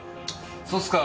そうっすか。